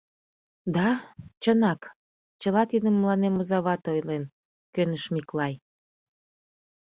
— Да, чынак, чыла тидым мыланем оза вате ойлен, — кӧныш Миклай.